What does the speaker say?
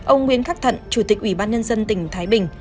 ông nguyễn khắc thận chủ tịch ủy ban nhân dân tỉnh thái bình